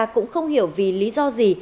cũng không hiểu vì lý do gì